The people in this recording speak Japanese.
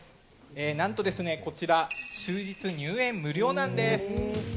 なんとこちら、終日入園無料なんです。